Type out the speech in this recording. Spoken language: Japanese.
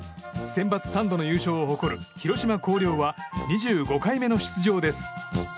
センバツ３度の優勝を誇る広島・広陵は２５回目の出場です。